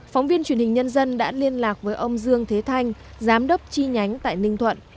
phóng viên truyền hình nhân dân đã liên lạc với ông dương thế thanh giám đốc chi nhánh tại ninh thuận